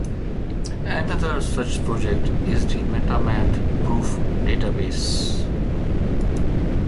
Another such project is the Metamath proof database.